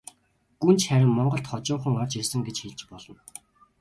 Гүнж харин монголд хожуухан орж ирсэн гэж хэлж болно.